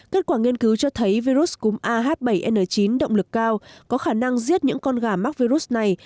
kết quả nghiên cứu cho thấy virus cúm ah bảy n chín động lực cao có khả năng giết những con gà mắc virus này